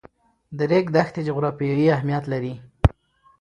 د ریګ دښتې جغرافیایي اهمیت لري.